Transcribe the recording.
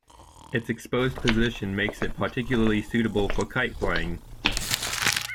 Its exposed position makes it particularly suitable for kite flying.